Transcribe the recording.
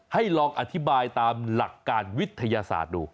ลองอธิบายตามหลักการวิทยาศาสตร์ดู